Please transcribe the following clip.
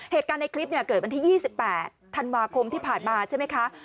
เหตุการณ์ในคลิปเกิดวันที่๒๘ธันวาคมที่ผ่านมาใช่ไหมคะ